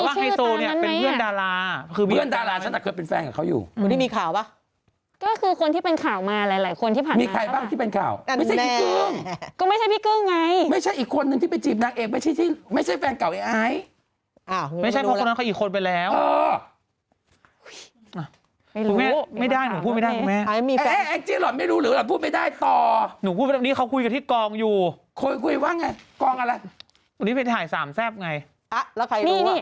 คือมีชื่อตอนนั้นไหมอ่ะคือมีชื่อตอนนั้นคือมีชื่อตอนนั้นคือมีชื่อตอนนั้นคือมีชื่อตอนนั้นคือมีชื่อตอนนั้นคือมีชื่อตอนนั้นคือมีชื่อตอนนั้นคือมีชื่อตอนนั้นคือมีชื่อตอนนั้นคือมีชื่อตอนนั้นคือมีชื่อตอนนั้นคือมีชื่อตอนนั้นคือมีชื่อต